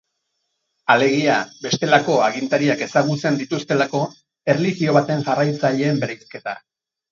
Alegia, bestelako agintariak ezagutzen dituztelako, erlijio baten jarraitzaileen bereizketa.